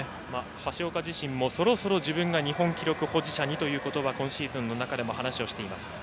橋岡自身もそろそろ自分が日本記録保持者にということを今シーズンの中でも話をしています。